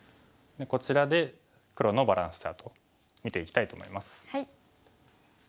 こちらで黒のバランスチャート見ていきたいと思います。